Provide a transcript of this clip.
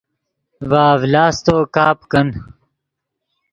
ڤے اڤلاستو کپ کن